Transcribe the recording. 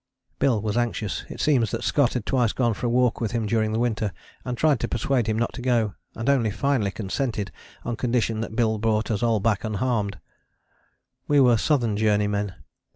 Bill was anxious. It seems that Scott had twice gone for a walk with him during the Winter, and tried to persuade him not to go, and only finally consented on condition that Bill brought us all back unharmed: we were Southern Journey men.